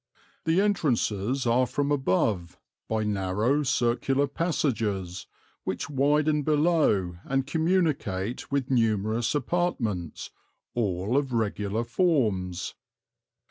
"The entrances are from above, by narrow circular passages, which widen below and communicate with numerous apartments, all of regular forms."